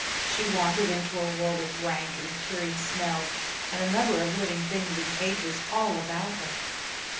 She wandered into a world of rank and curious smells and a number of living things in cages all about her.